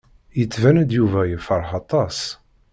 Yettban-d Yuba yefṛeḥ aṭas.